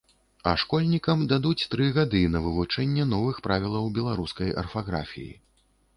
А школьнікам дадуць тры гады на вывучэнне новых правілаў беларускай арфаграфіі.